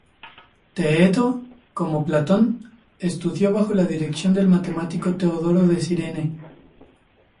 Teeteto, como Platón, estudió bajo la dirección del matemático Teodoro de Cirene.